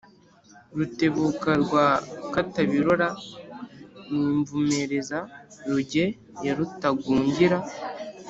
Rutebuka rwa Katabirora ni Imvumereza-ruge ya Rutagungira